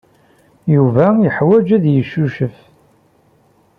Yuba yeḥwaj ad yeccucef.